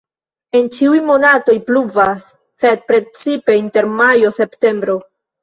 En ĉiuj monatoj pluvas, sed precipe inter majo-septembro.